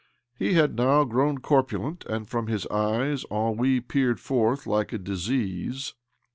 He had now grown corpulent, and from his eyes ennui peered forth like a disease.